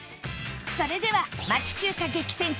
それでは町中華激戦区